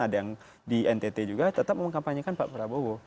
ada yang di ntt juga tetap mengkampanyekan pak prabowo